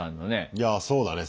いやそうだね。